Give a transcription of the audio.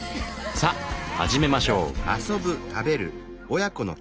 さあ始めましょう。